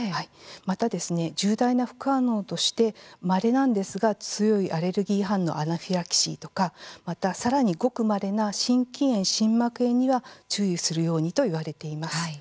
また、重大な副反応としてまれなんですが強いアレルギー反応アナフィラキシーとかまた、さらにごくまれな心筋炎心膜炎には注意するようにといわれています。